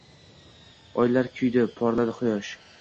Oylar kuydi Porladi Quyosh.